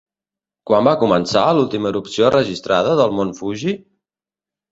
Quan va començar l'última erupció registrada del mont Fuji?